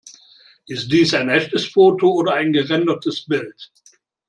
Ist dies ein echtes Foto oder ein gerendertes Bild?